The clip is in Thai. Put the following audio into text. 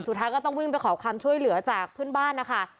สุดท้ายก็ต้องวิ่งไปขอความช่วยเหลือจากเพื่อนบ้านนะคะ